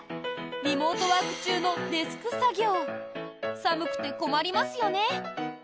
リモートワーク中のデスク作業寒くて困りますよね。